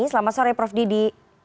selamat sore prof didi